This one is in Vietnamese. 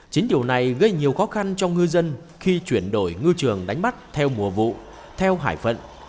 chính điều này gây nhiều khó khăn cho ngư dân khi chuyển đổi ngư trường đánh bắt theo mùa vụ theo hải phận